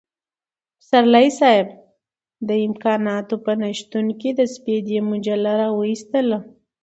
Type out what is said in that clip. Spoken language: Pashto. پسرلی صاحب د امکاناتو په نشتون کې د سپېدې مجله را وايستله.